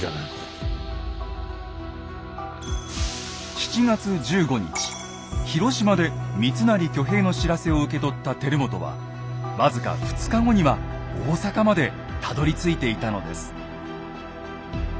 ７月１５日広島で三成挙兵の知らせを受け取った輝元は僅か２日後には大坂までたどりついていたのです。